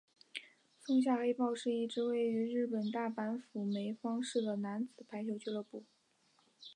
松下黑豹是一支位于日本大阪府枚方市的男子排球俱乐部。